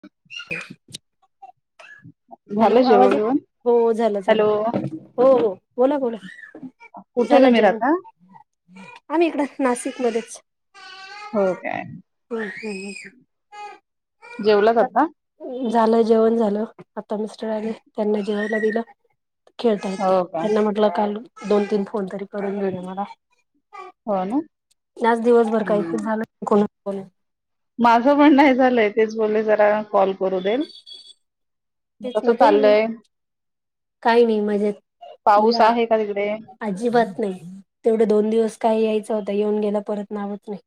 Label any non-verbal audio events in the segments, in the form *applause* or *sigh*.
अ hello झालं जेवण आवाज बिवण? हो झालं झालं हॅलो हो हो बोला बोला कुठे झालं तुम्ही जेवण राहता आम्ही इकड नाशिक मध्येच हो काय हम्म जेवलंच आता झालं जेवण झालं आता मिस्टर आने त्यांना जेवायला दिलं खेळता य ते हो का त्यांना म्हटलं काल दोन तीन फोन तरी करून गेले मला. हो ना आज दिवसभर काही ते हम्म. झालं नाही कोणाला फोन माझं पण नाही झालंय तेच बोलले, जरा कॉल करू देल. मग तेच ना कसं ते चाललय? काही नाही मजेत पाऊस या आहे का तिकडे? अजिबात नाही. तेवढं दोन दिवस काय यायचं होता येऊन गेला, परत नावंच नाही.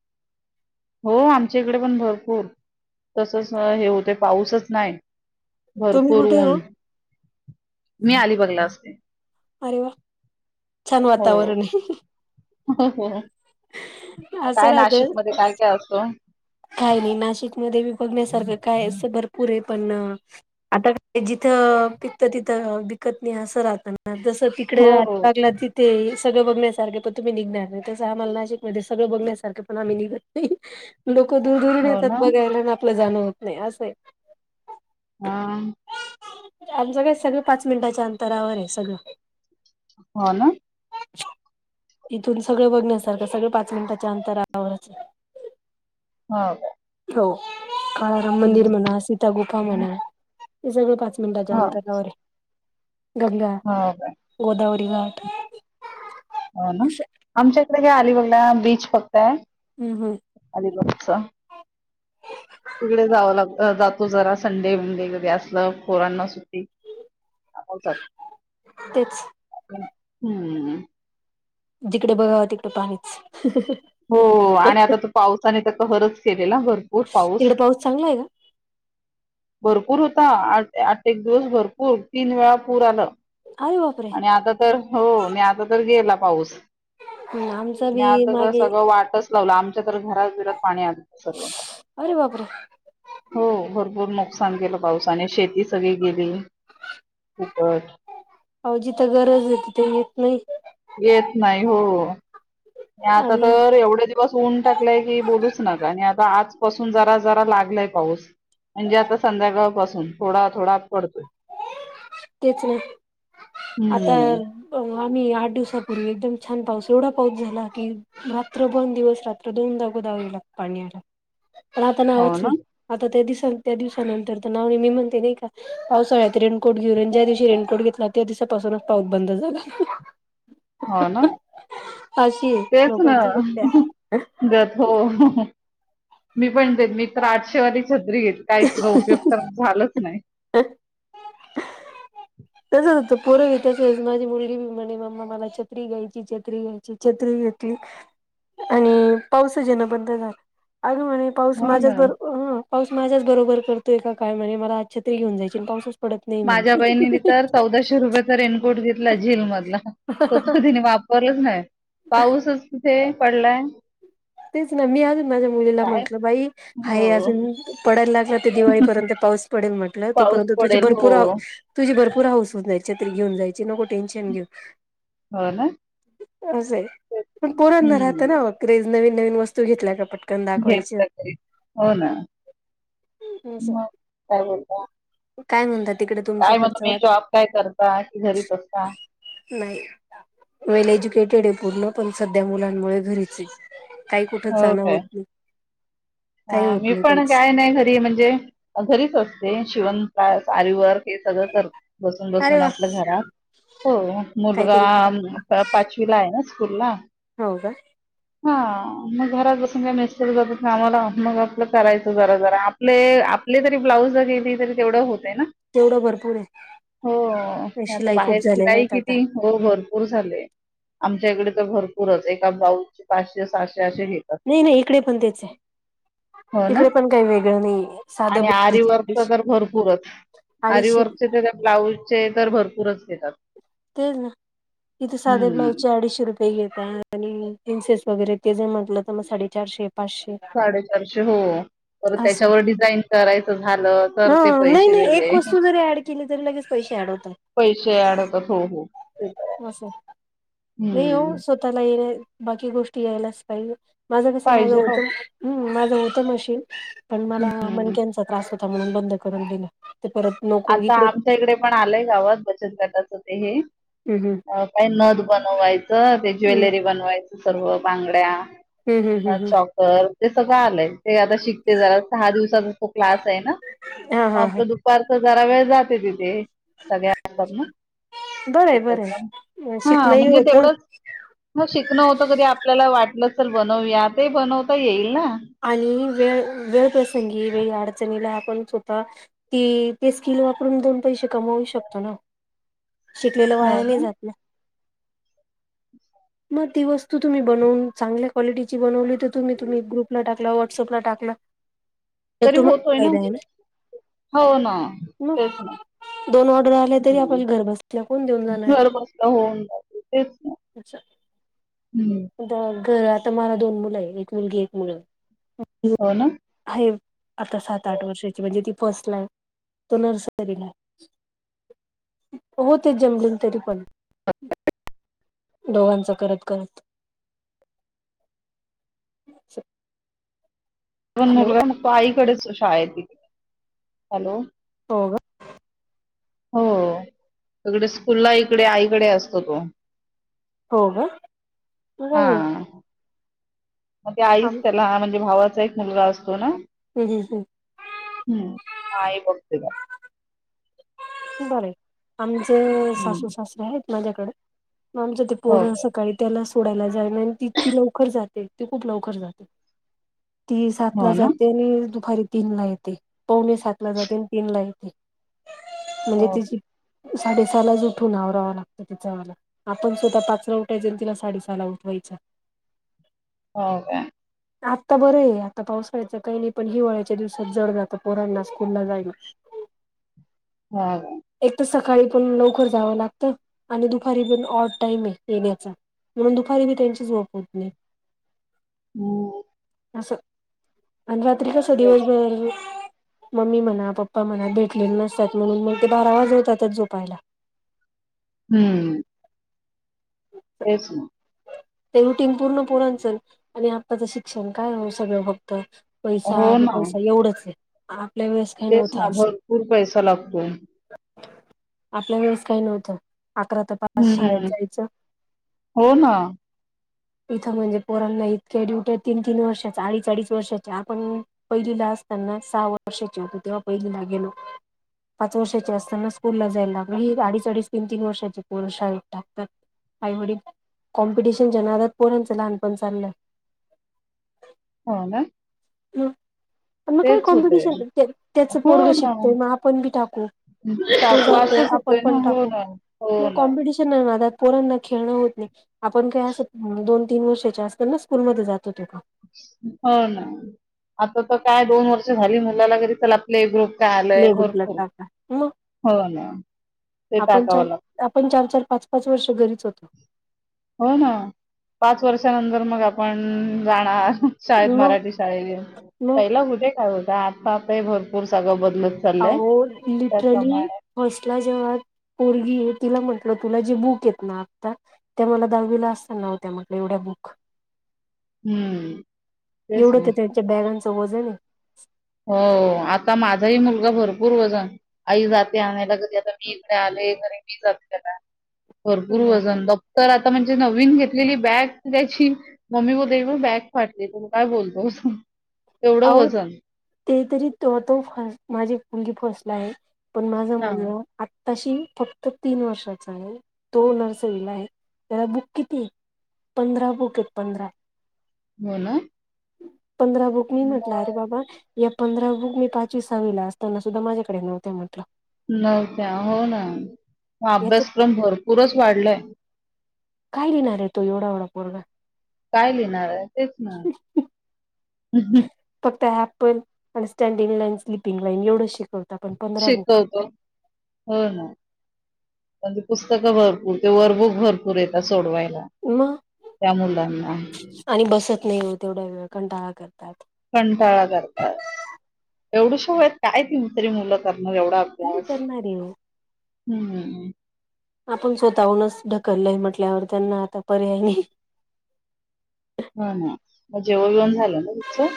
हो आमच्या इकडे पण भरपूर, तसच हे होते पाऊसच नाही. तुम्ही भरपूर कुठे हो ऊन मी अलिबागला असते, अरे वा छान हो. वातावरण आहे हो हो *unintelligible* मग असं काय राहत नाशिकमध्ये काय काय असतो? काय नाही नाशिक मध्ये बी बघण्यासारखं काय असं भरपूर आहे पण आता का जिथं पिकतं तिथं बिकत नाही असं राहत ना जस तिकडे हो आ हो लागला तिथे सगळंघण्यासारखे पण तुम्ही नि घणार आम्हाला नाशिक म सगळं बघण्यासारखं पण आम्ही निघत नाही लोकं दूर दूरने हो येतात ना बघायला आणि आपलं जाणं होत नाही असं आहे हा. आमचं काय सगळं पाच मिनिटाच्या अंतरावराय सगळं. हो ना? इथून सगळ बघण्यासारखं, सगळ पाच मिनिटाच्या अंतरावरचाय. *unintelligible* हो काळाराम मंदिर हम्म म्हणा, सीतागुफा म्हणा. हे सगळ पाच मिनिटाच्या हो अंतरावर हाय. गंगा, हो काय गोदावरी घाट. हो ना. असं आमच्या इकडे काय आलीबागला बीच फक्त हाय. हम्म हम्म. आलीबागचं. तिकडे जावं लागत जातो जरा, संडे मंडे कधी असलं पोरांना सुट्टी. आपण चा तेच. हम्म. जिकडे बघावं तिकड पाणीच. हो आणि आता तू पावसाने तर कहरच केलेला भर पूर पाऊस. तिकडे चांगला आहे का भरपूर होता. आठ एक दिवस भरपूर, तीन वेळा पूर आलं. आरे बापरे! आणि आता तर हो, आण आता तर गेला पाऊस. आमचा बी आता तर मागे सगळं वाटच लावला, आमच्या तर घरात बीरात पाणी आलंत सगळं. अरे बापरे हो भरपूर नुकसान केलं पावसाने, शेती सगळी गेली. खूपच. अ जिथं गरजय तिथे येत नई. येत नाही हो. आणि आता आणि तर एवढे दिवस ऊन टाकलाय की बोलूच नका, आणि आता आजपासून जरा जरा लागलाय पाऊस. म्हणजे आता संध्याकाळ पासून, थोडा थोडा पडतोय. तेच ना, आता हम्म आम्ही आठ दिवसापूर्वी एकदम छान पाऊस, एवढा पाऊस झाला की रात्र पण दिवस रात्र दोनदा गोदावरीला पाणी आलं, पण आता हो नावच ना नाही. आता त्या दिस त्या दिवसानंतर *unintelligible* पावसाळ्यात रेनकोट घरुन ज्या दिवशी रेनकोट घेतला त्या दिवसापासूनच पाऊस बंद झाला. *unintelligible* हो ना, अशी आहे तेच ना, लोकांची विद्या. *unintelligible* ग हो मी पण देत मी तर आठशेवाली छत्री घेत काय ते उपयोग तर. व्हालंच नाही. तसच होत, पोर *unintelligible* माझी मुलगी म्हणे मम्मा मला छत्री घ्यायची, छत्री घ्यायची. छत्री घेतली आणि पाऊसच इना बंद झाला. आ गं पाऊस हो ना माझ्याच बरो हं पाऊस माझ्याच बरोबर करतोय का काय म्हणे मला छत्री घेऊन जायची, न पाऊसच पडत नाही माझ्या बहिणीने म्हणी *unintelligible* तर चौदाशे रुपयाचा रेनकोट घेतला जेलमधला तर त तिने वापरलंच नाही पाऊसच तिथे पडलाय तेच ना मी अजून माझ्या मुलीला काय म्हंटलं बाई हाय हो अजून पडायला लागला ते दिवाळीपर्यंत पाऊस पडेल म्हटलं. पाऊस तोपर्यंत तुझी पडेल हो भरपूर आ तुझी भरपूर हाऊस हून जायची, छत्री घेऊन जायची, नको टेन्शन घेऊ. हो ना असं हाय, पण पोरांना राहत हम्म ना *unintelligible* नवीन नवीन वस्तू घेतल्या का पट घेत तरी हो ना मग काय हो काय म्हणतात तिकडे तुमच्याकडच वाात जॉब काय करता कि घरीच असता नाही वेल एज्युकेटेड आहे पूर्ण पण सध्या मुलांमुळे घरीच काही कुठच हो जाणं काय होत नाही काही होत मी नाही पण काहीच काय नाही घरी म्हणजे घरीच असते शिवण त आर वर्क हे सगळं करते बसून अरे बसून वा आपल्या घरात हो काहीतरी करा मुलगा पाचवी ला आहे ना स्कूल ला हो का हा मग घरात बसून काय मिस्तर जातात ना आमला मग आपलं करायचं जरा जरा आपले कले तरी ब्लाउज गेली तरी तेवढं होतं ना तेवढं भरपूर आहे होता शिलाई खूप बाहेर झालेल्या फिराई आहेत आता किती हो भरपूर झाले आमच्या इकडे तर भरपूरच एका बाऊज चे पाचशे सहाशे असे घेत नाही नाही इकडे पण तेच आहे हो ना? इकडे पण काही वेगळं नाही साध आरीवर्कचे ते ब्लाउजचे तर भरपूरच घेतात ते ना इिथे साधे हं, ब्लाउज चे अडीचशे रुपये नाही येत आणि इन्सेस वगैरे ते जे म्हंटलं तर मग साडेचारशे पाचशे साडेचारशे हो तर असं त्याच्यावर डिझाईन करायचं झालं करते पैसे वेगळे कले तररी लगेच तो शेड होत पैसे आणडत हो हो ते आहे. होश नाही हो हं, स्वतःला येणे बाकी गोष्टी यायलाच पाहिजे माझं कसं माझं पाहिजे ना. होतं हम् माझं होतं नशील पण मला हं. मणक्यांचा त्रास होता म्हणून बंद करून दिलं परत आता आमच्या इकडे पण आलंय गावात बचत गटाचं ते हे हम्म अ काही नद बनवायचं ते हम्म ज्वेलरी बनवायचं सर्व हम्म हम्म बांगड्या हम्म हम्म चॉकर ते सगळं आलंय ते आता शिकते जरा सहा दिवसात तो क्लास आहे ना हा मग हा हा आपलं दुपारचं जरा वेळ जाते तिथे सगळ्या बरंय एकत्र बरंय हा शिकणंही म्हणजे होतं तेवढंच ह शिकणं होत कधी आपल्याला वाटलं असेल बनवूया ते बनवता येईल ना आणि वेळ वेळपसंगी वेळी अडचणीला आपण स्वतः ती ते स्किल वापरून दोन पैसे कमवू शकतो ना शिकलेलं हो वाय नाही ना जातऽ मगी वस्तू तुम्ही बनवून, चांगल्या क्वालिटी बनवली तर तुम्ही त गूऽ ला टाकला, व्हॉटसअपला टाकला, तर तरी तुम्हाला होतोय फायदा आहे ना. हो ना, तेच ना, मग दोन ऑर्डर आले तरी,, हम्म आपल्याला घर बसल्या कोण देऊन जाणार, घर बसलं होऊन जाते अच्छा, हम्. आ घर, आता मला दोन मुलं आहे, एक मुलगी एक मुलगा. ओके हो ना? आहे आता सात आठ वर्षाची. म्हणजे ती फर्स्टलाए. तो नर्सरीलाये. हो ते जमलेून तरी पण. दोघांच करत, करत. ण हॅलो मुलगा मग तो आईकडेच शाळाय आहे तिथे,, हॅलो,, होग, ह हो,, तकडे स्कूलला इकडे आईकडे असतो तो. होग, *unintelligible* म्हणजे आईच त्याला, म्हणजे भावाचा एक मुलगा असतो ना- *unintelligible* हम्म. म आईं बघते त्याला. बरय. आमचे हम्म. सासू सासरे आहेत माझ्याकडे. आमचे ते पोर हो काय? सकाळी- त्याला सोडायला जाय,, ति ती लवकर जाते ती खूप लवकर जाते. ती सात ला हो ना. जाते आणि दुपारी तीनला येते. पवणे सात ला जाते आणि तीन ला येते. म्हणजे हो काय? तिची, साडे सहालाच उठून आवरावां लागतं तिच आमाला. आपण स्वतः पाचला उठायच न तिला साडे सहाला उठवायच. हो का? आत्ता बरं आहे. आता पावसाळ्याचं काही नाही. पण हिवाळ्याच्या दिवसात जड जातं पोरांना स्कूलला जायला. हा का? एक तर सकाळी पण लवकर जावं लागतं आणि दुपारी पण ऑड टाईम आहे येण्याचा. म्हणून दुपारी बी त्यांची झोप होत नाही. हम. असं. आणि रात्री कस तेच. दिवसभर- मम्मी म्हणा, पप्पा म्हणा भेटलेले नसतात म्हणून मग ते बारा वाजवतातच झोपायला. हम्म. तेच ना. ते रुटीन पूर्ण पोरांच आणि आताच शिक्षण काय हो सगळं भ- पैसा हो आणि ना. पैसा एवढंच आहे. आपल्या वेळेस- काही तेच ना, नव्हतं असं भरपूर पैसा लागतो. आपल्या वेळेस काही नव्हतं. अकरा त- हम्म. हो ना. इथं म्हणजे पोरांना इतके ड्युट्या. तीन तीन वर्षाचे, अडीच अडीच वर्षाचे, आपण- पहिलीला असताना सहा वर्षाचे होतो तेव्हा पहिलीला गेलो. पाच वर्षाचे असताना स्कूल ला जायला लागलो. हे अडीच अडीच, तीन तीन वर्षाचे पोर शाळेत टाकतात. आईवडील. कॉम्पिटिशनच्या नादात पोरांचं लहानपण चाललंय. हो ना? ह, मग काय तेच होतंय. कॉम्पिटिशन. त्याचं हो पोरग ना. शिकतय, मग आपण बी टाकू. तो चाकू जातोय. असंच आपण होतंय ना. पण हो टाकू. ना. हो ना पोरांना खेळणं होत नाही. आपण काही अस दोन तीन वर्षाचे असतानाच - स्कुलमध्ये जात होतो का? हो ना. आता तर काय दोन वर्ष झाली मुलाला, घरी *unintelligible* प्ले ग्रुप काय आलंय. प्ले ग्रुपला भरपूर. टाका मग हो ना. ते आपण टाकावं चार लागत. आपण चार चार, पाच पाच वर्ष घरीच होतो. हो ना. पाच वर्षानंतर मग आपण जाणार- शाळेत मग मराठी शाळेत मग पहिला होते काय अता आता भरपूर सगळं बदलत चाललंय. आहो लिटरली त्याप्रमाणे फस्टला जेव्हा पोरगी ये, तिला म्हंटलं तुला जे बुक येत ना आता त्या मला दहावी ला असता ना होत्या म्हटलं एवढ्या बुक. हम्म. एवढं तर त्यांच्या बॅगांचं वजन हो. आता माझाही मुलगा भरपूर वजन- आई जाते आणायला. कधी आता मी इकडे आले तरी मी जाते त्याला - भरपूर वजन. दप्तर आता म्हणजे नवीन घेतलेली बॅग त्याची- मम्मी बोलते हे बघ बॅग फाटली. त म काय बोलतो तेवढं अहो वजन. ते तरी तो त फ माझी मुलगी फस्टला आहे पण माझा हां. मुलगा आत्ता - तशी फक्त तीन वर्षाचा आहे. तो नर्सरीला आहे त्याला बुक किती? पंधरा बुक आहेत पण बोला पंधरा बुक मी म्हटलं, अरे बाबा या पंधरा बुक मी पाचवी, सहावीला असताना सुद्धा माझ्याकडे नव्हत्या म्हटलं. नव्हत्या हो ना याच अभ्यासक्रम भरपूरच वाढलाय. काय लिहणार आहे तो एवढा एवढा पोरगा? काय लिहिणार आहे? तेच ना. फक्त ॲपल आणि स्टँडिंग लाईन, स्लिपिंग लाईन एवढं शिकवत. आपण पंधरा बुक शिकवतो. *inaudible* हो ना *inaudible* कधी पुस्तकं भरपूर ते वर्कबुक भरपूर येतात सोडवायला मग *inaudible* त्या मुलांना. आणि बसत नाही मग तेवढा वेळ कंटाळा करतात. कंटाळा करतात. एवढूशा वेळेत काय ति तरी मुलं करणं एवढ काय पॉझ करणार आहे हो *inaudible* हम्म् आपण स्वतःहूनच ढकललंय म्हटल्यावर त्यांना आता पर्याय नाही. ह ना मग जेवन-बिवन झालं ना तिचं?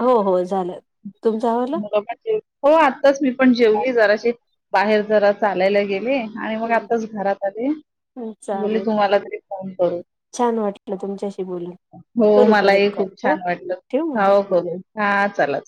हो, हो झालं. तुमचं आवरलं *unintelligible* हो आत्ताच मी पण जेवलीए जराशी बाहेर जरा चालायला गेले. आणि मग आताच घरात आले. बोली चालेल तुम्हाला तरी फोन करू. छान वाटलं तुमच्याशी बोलून *inaudible* हो करू परत मलाही कॉल खूप हा छान वाटलं. ठेवू ह मग हा हो. हा चारल.